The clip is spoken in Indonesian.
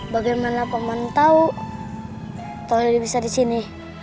bagaimana pak monsun tahu tuhli bisa disini